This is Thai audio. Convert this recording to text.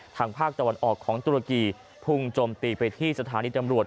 ทางภาคตะวันออกของตุรกีพุ่งจมตีไปที่สถานีตำรวจ